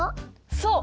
そう！